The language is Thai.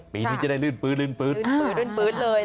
มีที่จะได้ลื่นพืช